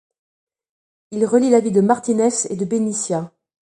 Il relie les villes de Martinez et de Benicia.